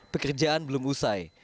pekerjaan belum usai